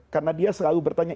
karena dia selalu bertanya